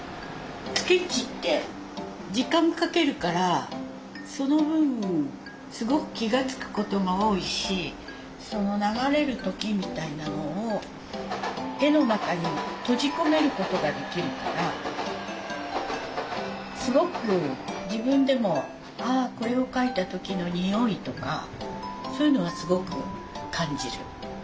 スケッチって時間かけるからその分すごく気が付くことが多いしその流れる時みたいなのを絵の中に閉じ込めることができるからすごく自分でもああこれを描いた時のにおいとかそういうのはすごく感じる。